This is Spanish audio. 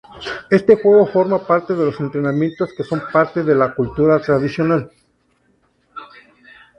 Este juego forma parte de los entrenamientos que son parte de la cultura tradicional.